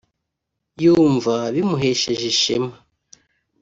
yumva bimuhesheje ishema